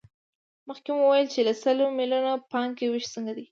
مخکې مو وویل چې له سل میلیونو پانګې وېش څنګه دی